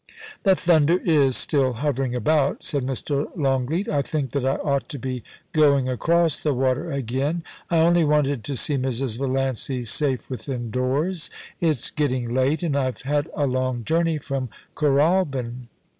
44 POLICY AND PASSION. * The thunder is still hovering about,* said Mr. Longleat * I think that I ought to be going across the water again. I only wanted to see Mrs. Valiancy safe within doors. It's getting late, and IVe had a long journey from Kooralbyn.'